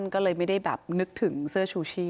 ก็เลยไม่ได้แบบนึกถึงเสื้อชูชีพ